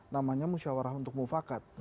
namanya musyawarah untuk mufakir